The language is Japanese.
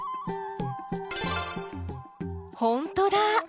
ほんとだ！